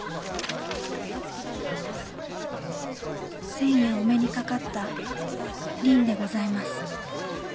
「先夜お目にかかった倫でございます。